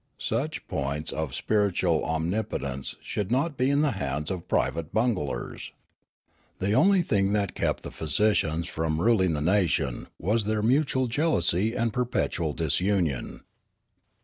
Such points of spiritual omnipotence should not be in the hands of private bunglers. The only thing that kept the physicians from ruling the nation was their mutual jealousy and perpetual disunion.